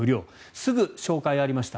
すぐ照会がありました